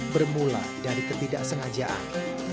bermula dari ketidaksengajaan